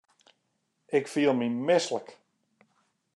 Ik fiel my mislik.